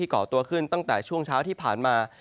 เกาะตัวขึ้นตั้งแต่ช่วงเช้าที่ผ่านมา